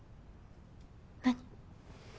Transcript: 何？